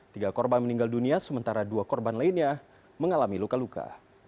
tiga korban meninggal dunia sementara dua korban lainnya mengalami luka luka